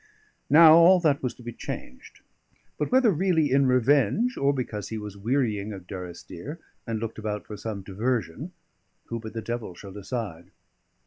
Now all that was to be changed; but whether really in revenge, or because he was wearying of Durrisdeer, and looked about for some diversion, who but the devil shall decide?